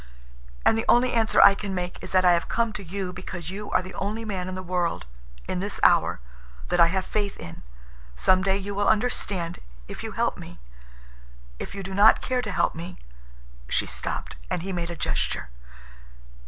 And the only answer I can make is that I have come to you because you are the only man in the world—in this hour—that I have faith in. Some day you will understand, if you help me. If you do not care to help me—" She stopped, and he made a gesture.